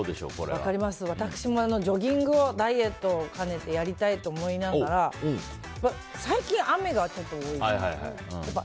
分かります、私もジョギングをダイエットを兼ねてやりたいと思いながら最近、雨がちょっと多いじゃないですか。